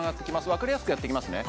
分かりやすくやっていきますね